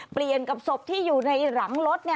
เปลี่ยนกับศพที่อยู่ในหลังรถ